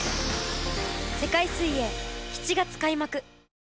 世界水泳７月開幕。